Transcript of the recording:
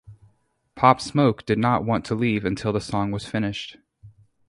Pop Smoke did not want to leave until the song was finished.